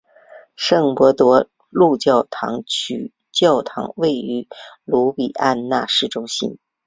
圣伯多禄教区教堂位于卢比安纳市中心。